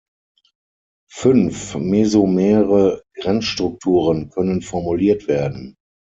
Fünf mesomere Grenzstrukturen können formuliert werden.